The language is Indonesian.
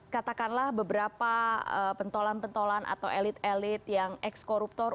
katakanlah beberapa pentolan pentolan atau elit elit yang ex koruptor